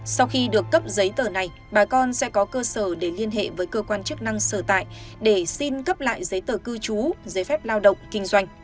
sau khi được cấp giấy tờ này bà con sẽ có cơ sở để liên hệ với cơ quan chức năng sở tại để xin cấp lại giấy tờ cư trú giấy phép lao động kinh doanh